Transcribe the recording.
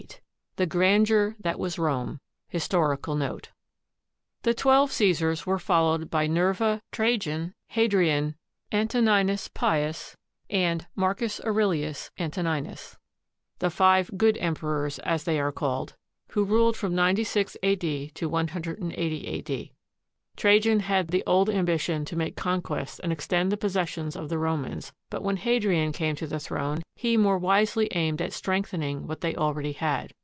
i VIII THE GRANDEUR THAT WAS ROME HISTORICAL NOTE The Twelve Caesars were followed by Nerva, Trajan, Hadrian, Antoninus Pius, and Marcus Aurelius Antoninus, "the Five Good Emperors," as they are called, who ruled from 96 A.D. to 180 A.D. Trajan had the old ambition to make conquests and extend the possessions of the Romans; but when Hadrian came to the throne, he more wisely aimed at strengthening what they already had.